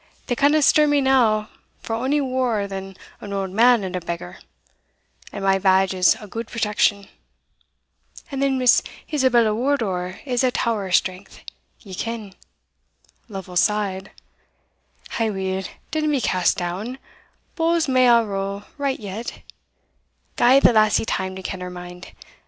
they canna stir me now for ony waur than an auld man and a beggar, and my badge is a gude protection; and then Miss Isabella Wardour is a tower o' strength, ye ken" (Lovel sighed) "Aweel, dinna be cast down bowls may a' row right yet gie the lassie time to ken her mind.